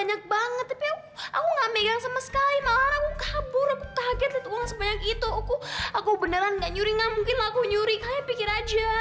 sampai jumpa di video selanjutnya